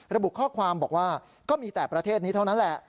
ระบุข้อความบอกว่าก็มีแต่ประเทศนี้เท่านั้นแหละ